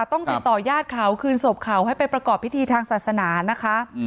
ต้องติดต่อญาติเขาคืนศพเขาให้ไปประกอบพิธีทางศาสนานะคะ